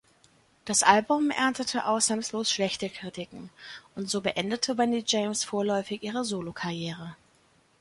Das Album erntete ausnahmslos schlechte Kritiken, und so beendete Wendy James vorläufig ihre Solokarriere.